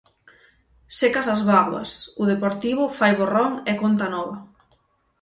Secas as bágoas, o Deportivo fai borrón e conta nova.